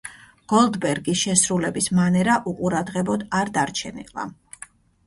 გოლდბერგის შესრულების მანერა უყურადღებოდ არ დარჩენილა.